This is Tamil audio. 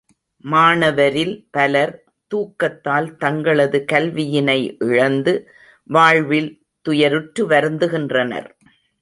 மாணவரில் பலர் தூக்கத்தால் தங்களது கல்வியினை இழந்து வாழ்வில் துயறுற்று வருந்துகின்றனர்.